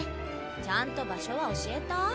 ちゃんと場所は教えた？